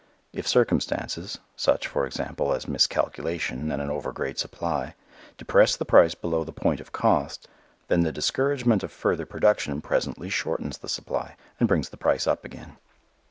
If circumstances (such, for example, as miscalculation and an over great supply) depress the price below the point of cost, then the discouragement of further production presently shortens the supply and brings the price up again.